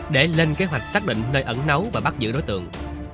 để lên kế hoạch xác định nơi ẩn nấu và bắt giữ đối tượng